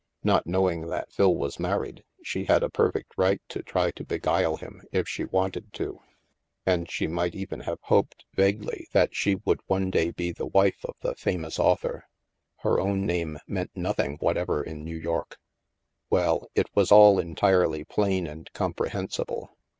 Not knowing that Phil was married, she had a perfect right to try to beguile him if she wanted to. And she might even have hoped vaguely that she would one day be the wife of the " famous author." Her own name meant nothing whatever in New York. Well, it was all entirely plain and comprehensible.